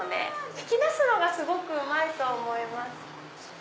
引き出すのがすごくうまいと思います。